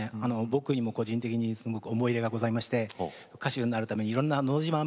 僕にも個人的にすごく思い出がございまして歌手になるためにいろんな「のど自慢」